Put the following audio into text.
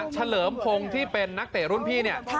เฉลิมพงศ์ที่เป็นนักเตะรุ่นพี่